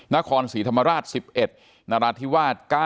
นครศรีธรรมราช๑๑นราธิวาส๙